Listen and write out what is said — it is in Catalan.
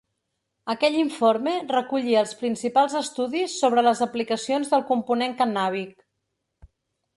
Aquell informe recollia els principals estudis sobre les aplicacions del component cannàbic.